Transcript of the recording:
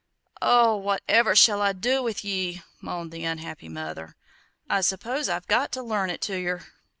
"Oh, whatever shall I do with ye?" moaned the unhappy mother; "I suppose I've got to learn it to yer!"